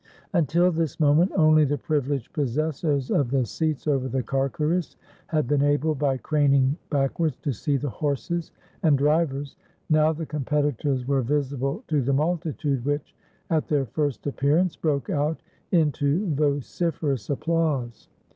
Until this moment only the privileged possessors of the seats over the carceres had been able, by craning backwards, to see the horses and drivers; now the com petitors were visible to the multitude which, at their first appearance, broke out into vociferous applause.